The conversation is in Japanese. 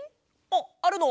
あっあるの？